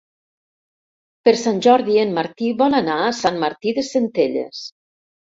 Per Sant Jordi en Martí vol anar a Sant Martí de Centelles.